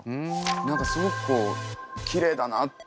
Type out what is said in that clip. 何かすごくこうきれいだなって。